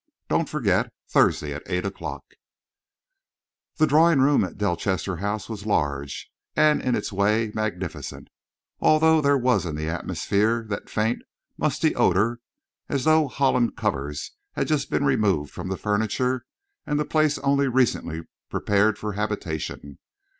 Don't forget Thursday at eight o'clock." The drawing room at Delchester House was large and in its way magnificent, although there was in the atmosphere that faint, musty odour, as though holland covers had just been removed from the furniture, and the place only recently prepared for habitation.